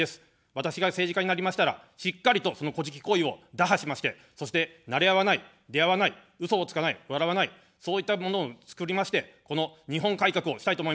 私が政治家になりましたら、しっかりと、そのこじき行為を打破しまして、そして、なれ合わない、出会わない、うそをつかない、笑わない、そういったものを作りまして、この日本改革をしたいと思います。